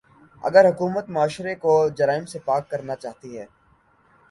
اگر حکومت معاشرے کو جرائم سے پاک کرنا چاہتی ہے۔